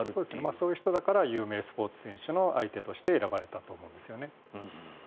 そういう人だから有名スポーツ選手の相手として選ばれたと思うんですよね。